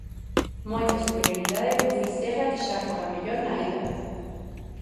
Moita superioridade dun Fisterra que xa fora mellor na ida.